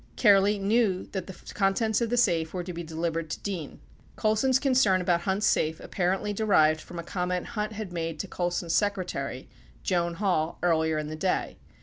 Kehrli knew that the contents of the safe were to be delivered to Dean. 97 Colson's concern about Hunt's safe apparently derived from a comment Hunt had made to Colson's secretary, Joan Hall, earlier in the day.